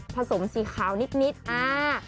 สมสีขาวนิดอ่า